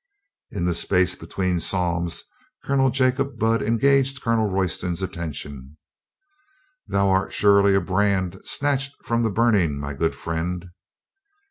In a space between psalms Colonel Jacob Budd engaged Colonel Royston's attention. "Thou art surely a brand snatched from the burning, my good friend?"